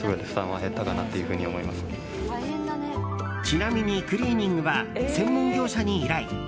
ちなみに、クリーニングは専門業者に依頼。